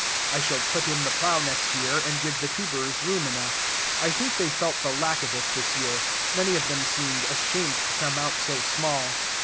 I shall put in the plow next year, and give the tubers room enough. I think they felt the lack of it this year: many of them seemed ashamed to come out so small.